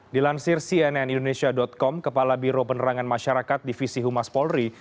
dilansir cnn indonesia com kepala biro penerangan masyarakat divisi humas polri